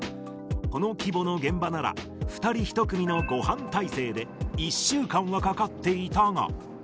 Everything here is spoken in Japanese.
この規模の現場なら、２人１組の５班体制で、１週間はかかっていたが。